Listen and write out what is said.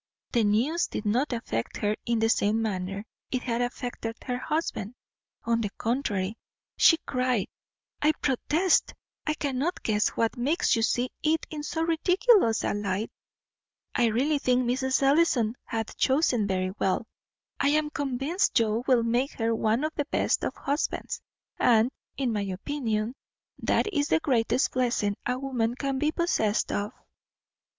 The news did not affect her in the same manner it had affected her husband. On the contrary, she cried, "I protest I cannot guess what makes you see it in so ridiculous a light. I really think Mrs. Ellison hath chosen very well. I am convinced Joe will make her one of the best of husbands; and, in my opinion, that is the greatest blessing a woman can be possessed of."